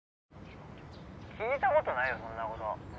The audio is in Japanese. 「聞いたことないよそんなこと」